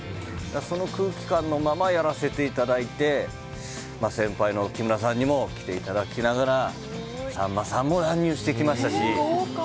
その空気感のままやらせていただいて先輩の木村さんにも来ていただきながらさんまさんも乱入してきましたし。